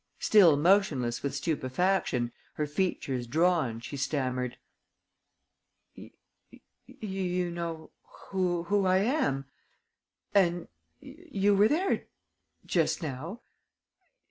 Still motionless with stupefaction, her features drawn, she stammered: "You know who I am?... And you were there just now?...